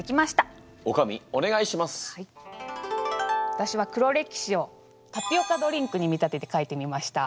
わたしは「黒歴史」をタピオカドリンクに見立てて書いてみました。